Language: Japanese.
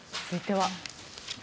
続いては。